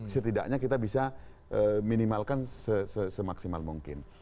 setidaknya kita bisa minimalkan semaksimal mungkin